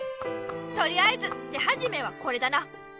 とりあえず手はじめはこれだな。